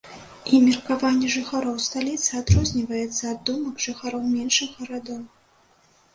І меркаванне жыхароў сталіцы адрозніваецца ад думак жыхароў меншых гарадоў.